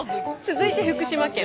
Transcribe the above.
続いて福島県。